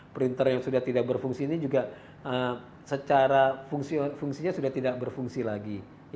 printer yang sudah tidak berfungsi ini juga secara fungsinya sudah tidak berfungsi lagi